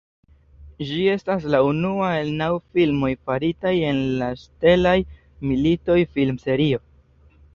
Ĝi estas la unua el naŭ filmoj faritaj en la Stelaj Militoj film-serio.